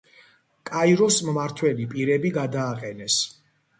კაიროს მმართველი პირები გადააყენეს.